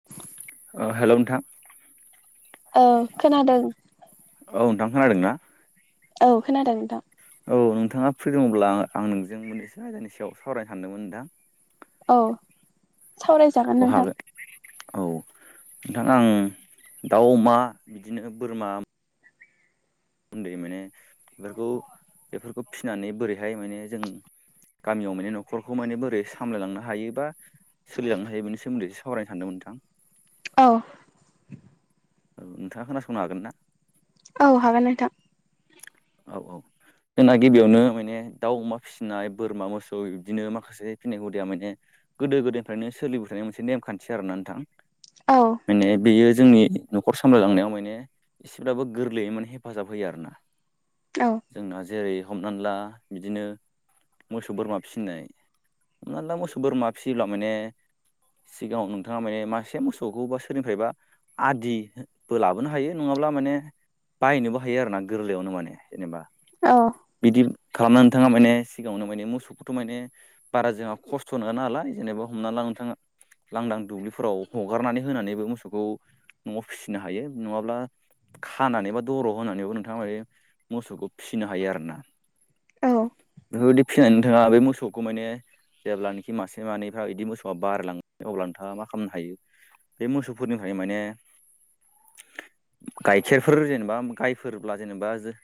[inaudible] हेल' नोंथां। औ खोनादों। औ नोंथां खोनादों ना? औ खोनादों नोंथां। औ नोंथाङा फ्रि दङब्ला आं नोंजों मोननैसो आयदानि सायाव सावरायनो सानदोंमोन नोंथां। औ सावराय अहागोन औ नोंथां आं दाउ अमा बिदिनो बोरमा उन्दै माने बेफोरखौ बेफोरखौ फिसिनानै बोरैहाय माने जों गामियाव माने न'खरखौ माने बोरै सामलायलांनो हायोबा सोलिलांनो हायो बेनि सोमोन्दै सावरायनो सानदों नोंथां। औ औ नोंथाङा खोनासंनो हागोन ना? औ हागोन नोंथां। औ औ जोंना गिबियावनो माने दाउ अमा फिसिनाय बोरमा मोसौ बिदिनो माखासे [unintelligible] फिनाय हुदिया माने गोदो गोदायनिफ्रायनो सोलिबोथनाय मोनसे नेमखान्थि आर ना नोंथां। औ माने बेयो जोंनि न'खर सामलायलांनायाव माने एसेब्लाबो गोरलैयै माने हेफाजाब होयो आरो ना। औ जोंना जेरै हमनानै ला बिदिनो मोसौ बोरमा फिसिनाय हमना ला मोसौ बोरमा फिसियोब्ला माने सिगाङाव नोंथाङा माने मासे मोसौखौ बा सोरनिफ्रायबा आदिबो लाबोनो हायो नङाब्ला माने बायनोबो हायो आरो ना गोरलैयावनो माने जेनेबा अ बिदि खालामना नोंथाङा माने सिगाङावनो माने मोसौखौथ' माने बारा जोंहा खस्थ' नङा नालाय जेनेबा हमना ला नोंथाङा लांदां दुब्लिफोराव हगारनानै होनानैबो मोसौखौ न'आव फिसिनो हायो नङाब्ला खानानै बा दरग होनानैबो नोंथाङा माने मोसौखौ फिसिनो हायो आरोना औ बेफोरबायदि फिनानै नोंथाङा बे मोसौखौ माने जेब्लानोखि मासे मानैफ्रा इदि मोसौआ बारलाङो अब्ला नोंथांआ मा खालामनो हायो बे मोसौफोरनिफ्राय माने गाइखेरफोर जेनेबा गायफोरब्ला जेनेबा जो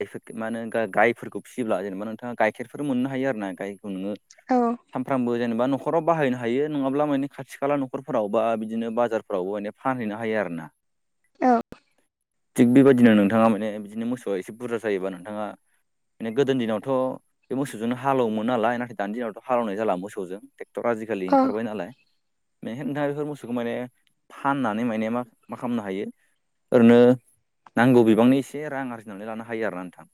[unintelligible] मा होनो गा-गायफोरखौ फियोब्ला जेनेबा नोंथाङा गाइखेरफोर मोननो हायो आरो ना गायखौ नोङो औ सानफ्रामबो जेनेबा न'खराव बाहायनो हायो नङाब्ला मानि खाथि खाला न'खरफोराव बा बिदिनो बाजार फ्रावबो माने फानहैनो हायो आरो ना औ थिग बेबायदिनो नोंथाङा माने बिदिनो मोसौ ओ एसे बुरजा जायोबा नोंथाङा माने गोदोनि दिनावथ' बे मोसौजोंनो हालौवोमोन नालाय नाथाय दानि दिनावथ' हालौवनाय जाला मोसौजों टेक्टर आजिखालि औ ओंखारबाय नालाय [unintelligible] दा बेफोर मोसौखौ माने फाननानै माने मा मा खालामनो हायो ओरैनो नांगौ बिबांनि एसे रां आरजिनानै लानो हायो आरो ना नोंथां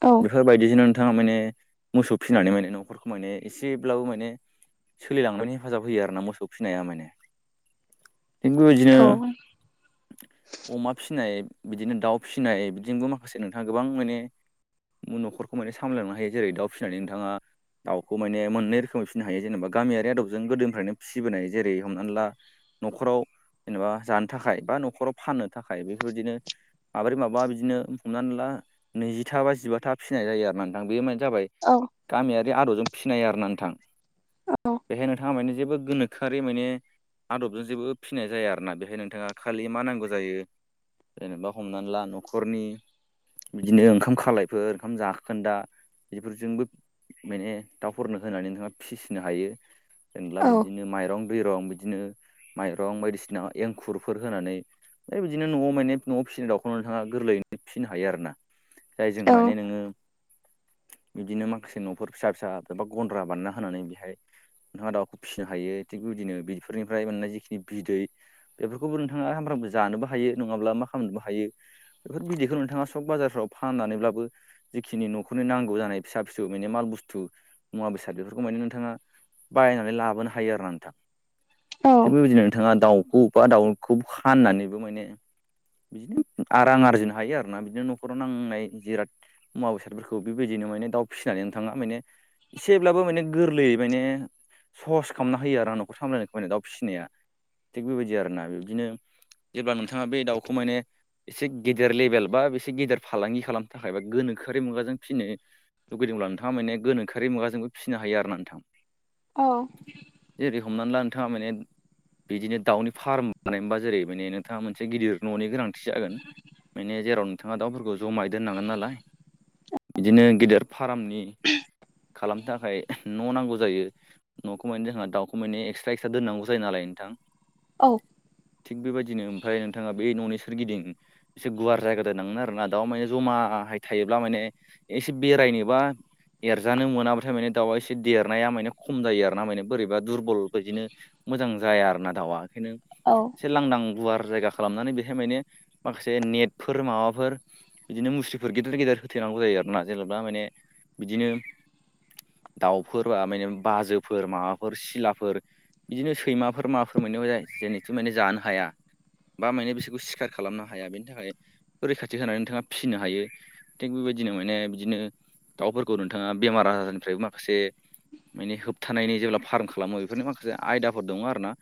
औ बेफोरबायदिजोंनो नोंथाङा माने मोसौ फिनानै माने न'खरखौ माने एसेब्लाबो माने सोलिलांनायनि हेफाजाब होयो आरोना मोसौ फिनाया माने थिग बे बादिनो औ अमा फिनाय बिदिनो दाउ फिनाय बिदिनोबो मा खासे नोंथाङा गोबां माने न'खरखौ माने सामलायलांनो हायो जेरै- दाउ फिनानै नोंथाङा दाउखौ माने मोननै रोखोमै फिनो हायो जेनेबा गामियारि आदबजों गोदोनिफ्रायनो फिबोनाय जेरै- हमनानै ला न'खराव जेनेबा जानो थाखाय बा न'खराव फाननो थाखाय बेफोरबायदिनो माब्रै माबा बिदिनो हमनानै ला नैजिथा बा जिबाथा फिनाय जायो आरोना नोंथां बे मा जाबाय औ गामियारि आदबजों फिनाय आरोना नोंथां बेहाय नोंथाङा माने जेबो गोनो खोआरि माने आदबजों जेबो फिनाय जाया आरोना बेहाय नोंथाङा खालि मा नांगौ जायो जेनेबा हमनानै ला न'खरनि बिदिनो ओंखाम खालायफोर ओंखाम जाखोन्दा बेफोरजोंबो माने दाउफोरनो होनानै नोंथाङा फिसिनो हायो। जेनेब्ला औ बिदिनो माइरं दैरं बिदिनो माइरं बायदिसिना एंखुरफोर होनानै फ्राय बिदिनो न'आव माने न'आव फिसिनाय दाउखौनो नोंथाङा गोरलै फिनो हायो आरोना जायजों औ माने नोङो बिदिनो माखासे न'फोर फिसा फिसा एबा गन्द्रा बानायना होनानै बेहाय नोंथाङा दाउखौ फिनो हायो थिग बिबायदिनो बेफोरनिफ्राय मोननाय जिखिनि बिदै बेफोरखौबो नोंथाङा सामफ्रोमबो जानोबो हायो नङाब्ला मा खालामनोबो हायो बेफोर बिदैखौ नोंथाङा सक बाजारफ्राव फाननानैब्लाबो जिखिनि न'खरनि नांगौ जानाय फिसा फिसौ माने माल बुस्थु मुवा बेसाद बेफोरखौ माने नोंथाङा बायनानै लाबोनो हायो आरोना नोंथां। औ बेफोर बादिनो नोंथाङा दाउखौ बा दाउखौ फाननानैबो माने बिदिनो आ रां आर जिनो हायो आरोना बिदिनो न'खराव नांनाय जिराद मुवा बेसादफोरखौ बेबायदिनो माने दाउ फिनानै नोंथाङा माने एसेब्लाबो माने गोरलैयै माने सहस खालामना होयो आरों न'खर सामलायनायखौ माने दाउ फिसिनाया थिग बेबायदि आरोना बिबदिनो जेब्ला नोंथाङा बे दाउखौ माने एसे गेदेर लेभेल बा बेसे गेदेर फालांगि खालामनो थाखाय बा गोनोखोआरि मुगाजों फिनो लुगैदोंब्ला नोंथाङा माने गोनोखोआरि मुगाजोंबो फिनो हायो आरोना नोंथां। औ जेरै हमनानै ला नोंथांङा माने बिदिनो दाउनि फार्म बानायबा जेरै माने नोंथांङा मोनसे गिदिर न'नि गोनांथि जागोन। माने जेराव नोंथांङा दाउफोरखौ जमाहै दोननांगोन नालाय बिदिनो गेदेर फार्मनि खालामनो थाखाय न' नांगौ जायो। न'खौ मानि जोंहा दाखौ मानि एक्सट्रा एक्सट्रा दोननांगौ जायोनालाय नोंथां। औ थिग बेबायदिनो ओमफ्राय नोंथांङा बे न'नि सोरगिदिं से गुवार जायगा दोननांगोन आरोना दाउ माने जमाहाय थायोब्ला माने एसे बेरायनोबा एरजानो मोनाबाथाय माने दाउआ एसे देरनाया माने खम जायो आरोना माने बोरैबा दुरबल बायदिनो मोजां जाया आरोना दाउआ खायनो से लांदां गुवार जायगा खालामनानै बेहाय माने बे नेटफोर माबाफोर इदिनो मुस्रिफोर गेदेर गेदेर होथेनांगौ जायो आरोना जेनेबा माने बिदिनो दाउफोर आमाय ना बाजोफोर माबाफोर सिलाफोर बिदिनो सैमाफोर माफोर मोननाय जेनेथु माने जानो हाया बा मायानि बिसोरखौ सिखार खालामनो हाया बेनि थाखाय रैखाथि होनानै थांङा फिनो हायो। थिग बेबायदिनो माने बिदिनो दाउफोरखौ नोंथांङा बेमार आजारनिफ्रायबो माखासे माने होबथानायनि जेब्ला फार्म खालामो बेफोरनि माखासे आयदाफोर दंङ आरोना।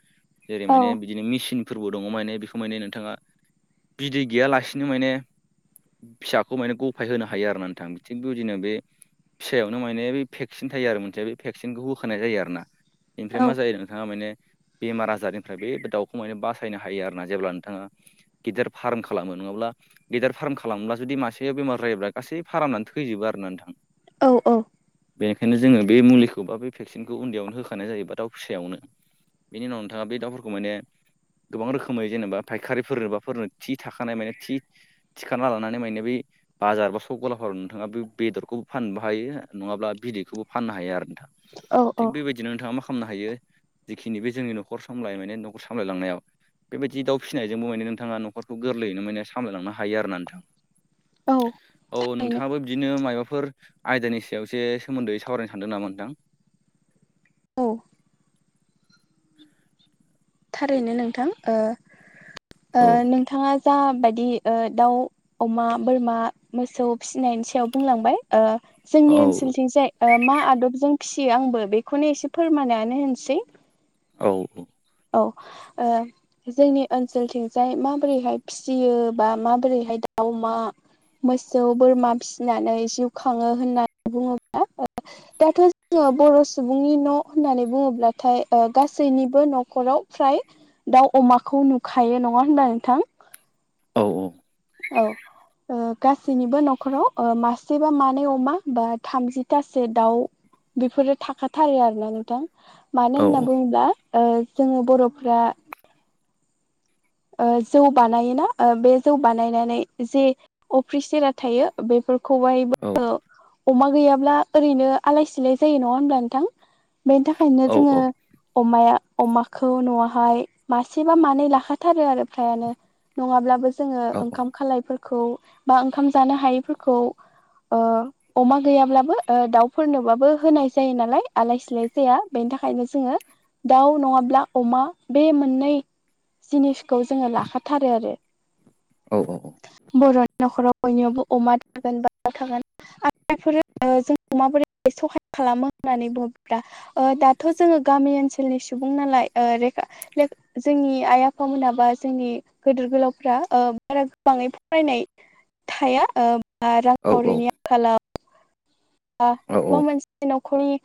जेरै माने बिदिनो मेसिनफोरबो दंङ माने बेखौ माने नोंथांङा बिदै गैयालासिनो माने फिसाखौ माने गफाय होनो हायो आर ना नोंथां थिग बेबायदिनो बे फिसायावनो माने ब भेक्सिन थायो आरो मोनसे बे भेक्सिनखौ होखानाय जायो आरो ना। इनफ्राय मा जायो नोंथांङा माने बेमार आजारनिफ्राय बे दाउखौमाय बासायनो हायो आरोना जेब्ला नोंथांङा गिदेर फार्म खालामो नंङाब्ला गेदेर फार्म खालामब्ला जुदि मासेयाव बेमार जायोब्ला गासै फारामनानै थैजोबो आरोना नोंथां। औ औ बेनिखायनो जोंङो बे मुलिखौ बा बे भेक्सिनखौ उन्दैयावनो होखानाय जायोबा दाउ फिसायावनो। बेनि उनाव नोंथांङा बे दाउफोरखौ माने गोबां रोखोमै जेनेबा फायखारिफोरनो बा फोरनो थि थाखानाय माने थि थिखांना लानानै माने बै बाजार बा सक गलाफोराव नोंथांङा बे बेदरखौबो फाननोबो हायो नंङाब्ला बिदैखौबो फाननो हायो आरो नोंथां औ थिग औ बेबायदिनो थांङा मा खालामनो हायो जिखिनि बे जोंनि न'खर सामलाय माने न'खर सामलायलांनायाव बेबायदि दाउ फिसिनायजोंबो नोंथांङा न' न'खरखौ गोरलैयैनो माने सामलायलांनो हायो आरो ना नोंथां। औ नोंथांङाबो बिदिनो माबाफोर आयदानि सायावसो सोमोन्दै सावरायनो सानदों नामा नोंथां? औ थारैनो नोंथां ओ ओ औ नोंथांङा जाबायदि ओ दाउ अमा, बोरमा, मोसौ फिनायनि सायाव बुंलांबाय ओ औ जोंनि ओनसोलथिं जाय ओ मा आदबजों फिसियो आंबो बेखौनो एसे फोरमानानै होनसै। औ औ ओ जोंनि ओनसोलथिंजाय माबोरैहाय फिसियो बा माबोरैहाय दाउ अमा मोसौ, बोरमा फिसिनानै जिउ खांङो होननानै बुंङोब्ला ओ दाथ' जोंङो बर' सुबुंनि न' होननानै बुंङोब्लाथाय गासैनिबो न' खराव फ्राय दाउ अमाखौ नुखायो नंङा होनबा नोंथां? औ औ औ ओ गासैनिबो न'खराव ओ मासे बा मानै अमा बा थामजिथासो दाउ बेफोरो थाखाथारो आरोना नोंथां मानो औ होनना बुंङोब्ला ओ जोंङो बर'फ्रा जौ बानायोना बे जौ बानायनानै जे अफिसिय थायो बेफोरखौहाय औ अमा गैयाब्ला ओरैनो आलाय सिलाय जायो नङा होनब्ला नोंथां बेनि थाखायनो औ जोङो अमाया अमाखौ न'आवहाय मासेबा मानै लाखाथारो आरो फ्रायानो नङाब्लाबो जोङो औ ओंखाम खालायफोरखौ बा ओंखाम जानो हायैफोरखौ ओ [unintelligible] अमा गैयाब्लाबो दाउफोरनोबाबो होनाय जायो नालाय आलाय सिलाय जाया बेनि थाखायनो जोङो दाउ नङाब्ला अमा बे मोननै जिनिसखौ जोङो लाखाथारो आरो औ औ औ बर'नि न'खराव बयनियावबो अमा थागोन बाउ थागोन आफोर जोंखौ माबोरै सहाय खालामो होननानै बुङोब्ला दाथ' जोङो गामि ओनसोलनि सुबुं नालाय ओ लेखा जोंनि आइ आफा बिफा मोनाबा जोंनि गदिर गोलावफोरा बारा गोबाङै फरायनाय थाया बा रांखावरिनि आंखालाव औ मा मोनसे न'खरि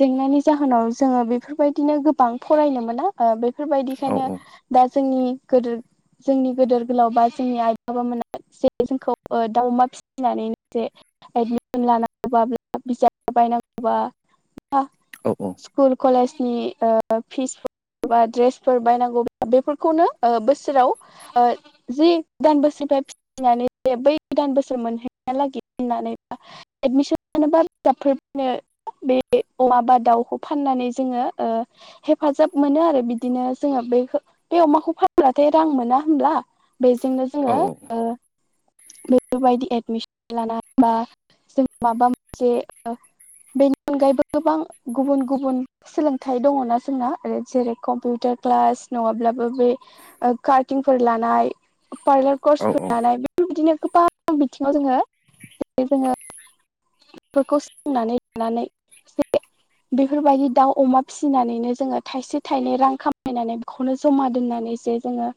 जेंनानि जाहोनाव जोङो बेफोरबायदिनो गोबां फरायनो मोना बेफोरबायदिखायनो दा जोंनि गोदो जोंनि गदोर गोलाव बा जोंनि आइ बाबाोना जे जोंखौ दाउमा फि एदमिसन लानानै अब्ला बिजाब बायनांगौबा औ औ स्कुल कलेजनि फिस एबा ड्रेसफोर बायनांगौ बेफोरखौनो बोसोराव जि दान बसिबाय फैनानै दे बै गोदान बोसोर मोनहैना लागि होननानै एडमिसन मोनोबा बिजाबफोर बायनो बे औवा बा दाउखौ फाननानै जोङो हेफाजाब मोनो आरो बिदिनो जोङो बे अमाखौ फानब्लाथाय रां मोना होनोमब्ला बेजोंनो जोङो औ बेफोरबायदि एडमिसन लानानै बा जों माबा मोनसे बेनि अनगायैबो गोबां गुबुन गुबुन सोलोंथाइ दङना जोंना आरो जेरै कम्पिउटार क्लास नङाब्लाबो बे कार्टिंफोर लानाय पार्लार औ कर्सफोर लानाय बेफोरबायदिनो गोबां बिथिङाव जोङो जोङो बेफोरखौ सोंनानै लानानै एसे बेफोरबायदि दाउ अमा फिसिनानैनो जोङो थाइसे थाइनै रां खामायनानै खौनो जमा दोननानै जे जोङो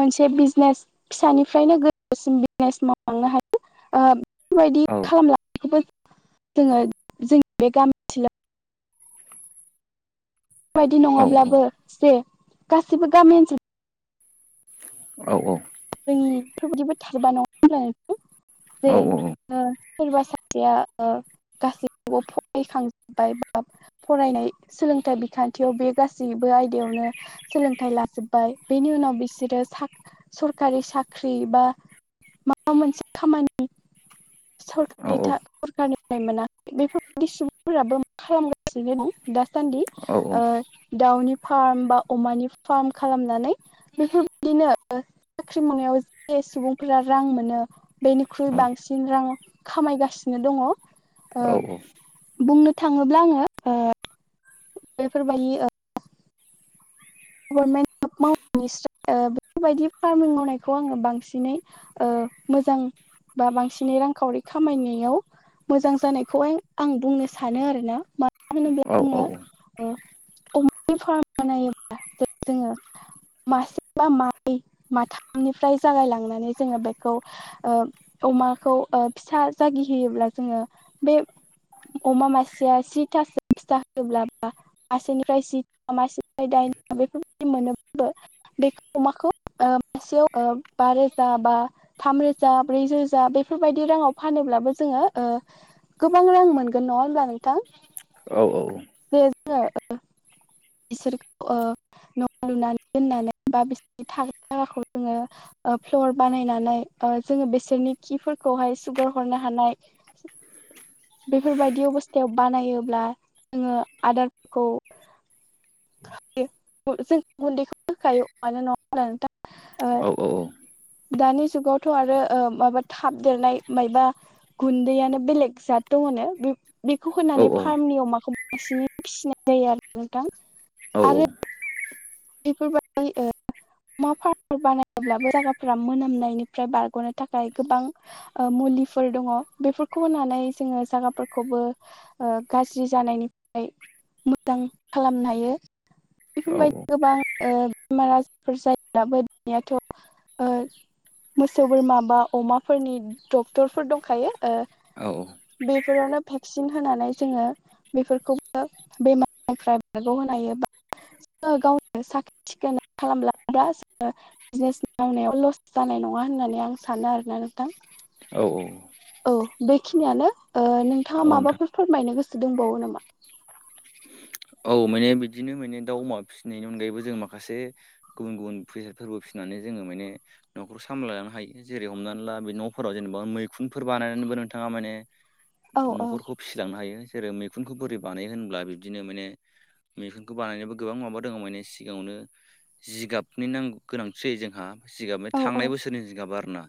मोनसे बिजनेस फिसानिफ्रायनो गोजोसिम बिजनेस मावलांनो हायो बेफोरबायदि औ औ खालामनायखौबो जोङो जोंनि बे गामि ओनसोलाव बेबायायदि औ नङाब्लाबो जे गासिबो गामि ओनसोलाव औ औ जोंनि बेफोरबायदिबो थारबा नङा जे सोरबा सासेया गासैखौबो फरायखांजोबबाय बा फरायनाय सोलोंथाइ बिखान्थियाव बे गासैबो आयदायावनो सोलोंथाइ लाजोबबाय बेनि उनाव बिसोरो सरखारि साख्रि बा माबा मोनसे खामानि सरकारि सरखारारनिफ्राय मोना बेफोरबायदि सुबुंफोराबो मा खालामगासिनो दं दासान्दि दउनि फार्म बा अमानि फार्म खालामनानै बेफोरबायदिनो साख्रि मावनायाव जे सुबुंफोरा रां मोनो बेनिख्रुइ बांसिन रां खामायगासिनो दङ'। औ औ। बुंनो थाङोब्ला आङो ओ बेफोरबायदि ओ गभर्नमेन्ट जब मावनायनिसाय बेफोरबायदि फार्मिं मावनायखौ आङो बांसिनै ओ मोजां बा बांसिनै रांखावरि खामायनायाव मोजां जानायखौहाय आं बुंनो सानो आरोना। मानो होनोब्ला जोङो ओ अमानि फार्म बानायोब्ला जोङो मासे बा मानै माथामनिफ्राय जागायलांनानै जोङो बेखौ ओ अमाखौ ओ फिसा जागि होयोब्ला जोङो बे अमा मासेया जिथासो फिसा होयोब्ला मासेनिफ्राय जिथा मासे दायना बेफोरबायदि मोनोब्लाबो बेफोर अमाखौ ओ मासेयाव ओ बा रोजा बा थाम रोजा ब्रै रोजा बेफोरबायदि राङाव फानोब्लाबो जोङो ओ गोबां रां मोनगोन नङा होनोमब्ला नोंथां? औ औ। [unintelligible] बिसोरखौ ओ न' लुनानै दोननानै बा बिसोरनि थाग्रा जायगाखौ जोङो ओ फ्लर बानायनानै ओ जोङो बेसोरनि खिफोरखौहाय सुगार हरनो हानाय बेफोरबायदि अबस्थायाव बानायोब्ला जोङो आदारफोरखौ [unintelligible] जों गुन्दैखौ होखायो अमानो नङा होनबा नोंथां ओ दानि जुगावथ' आरो ओ माबा थाब देरनाय मायबा गुन्दैयानो बेलेग जात दङनो बे बेखौ होनानै फार्मनि अमाखौ बांसिनै फिसिनाय जायो आरो नोंथां। औ आरो औ। बेफोरबायदि ओ अमा फार्मफोर बानायोब्लाबो जायगाफोरा मोनामनायनिफ्राय बारग'नो थाखाय गोबां ओ मुलिफोर दङ बेफोरखौ होनानै जोङो जागाफोरखौबो ओ गाज्रि जानायनिफ्राय मोजां खालामनो हायो। [inaudible] बेफोरबायदि गोबां ओ बेमार आजारफोर जायोब्लाबो दानियाथ' ओ मोसौ, बोरमा बा अमाफोरनि डक्टरफोर दंखायो। ओ बेफोरावनो भेक्सिन होनानै जोङो बेफोरखौबो बेमारनिफ्राय बारग' होनो हायो बा जोङो गावनो साखोन सिखोन खालामब्ला गासिबो बिजनेस मावनायाव लस जानाय नङा होननानै आं सानो आरोना नोंथां। औ औ। औ बेखिनियानो ओ नोंथाङा नोंथां माबाफोर फोरमायनो गोसो दंबावो नामा? औ माने बिदिनो माने दाउ अमा फिसिनायनि अनगायैबो जों माखासे गुबुन गुबुन [unintelligible] फोरबो फिसिनानै जोङो माने न'खर सामलायलांनो हायो। जेरै हमनानै ला बे न'फोराव जेनेबा मैखुनफोर बानायनानैबो नोंथाङा माने औ औ न'खरखौ फिसिलांनो हायो, जेरै मैखुनखौ बोरै बानायो होनब्ला बिब्दिनो माने मैखुनखौ बानायनोबो गोबां माबा दङ' माने सिगाङावनो जिगाबनि नांगौ। गोनांथि जायो जोंहा जिगाब माने औ औ थांनाय बोसोरनि जिगाब आरोना।